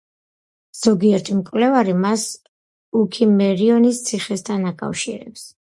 ზოგიერთი მკვლევარი მას უქიმერიონის ციხესთან აკავშირებს.